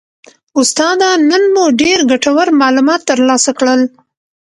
استاده نن مو ډیر ګټور معلومات ترلاسه کړل